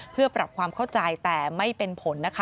เพื่อปรับความเข้าใจแต่ไม่เป็นผลนะคะ